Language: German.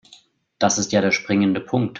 Das ist ja der springende Punkt.